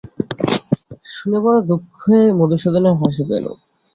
শুনে বড়ো দুঃখে মধুসূদনের হাসি পেল।